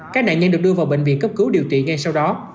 các nạn nhân được đưa vào bệnh viện cấp cứu điều trị ngay sau đó